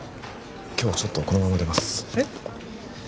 今日はちょっとこのまま出ますえっ？